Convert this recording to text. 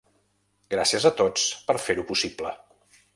Gràcies a tots per fer-ho possible!